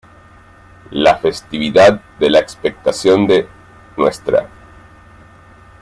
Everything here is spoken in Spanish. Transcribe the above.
La festividad de "La Expectación de Ntra.